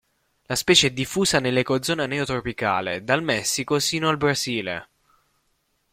La specie è diffusa nell'ecozona neotropicale, dal Messico sino al Brasile.